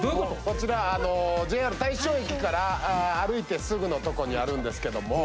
こちらＪＲ大正駅から歩いてすぐのとこにあるんですけども。